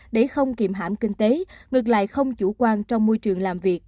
để không kìm hãm kinh tế ngược lại không chủ quan trong môi trường làm việc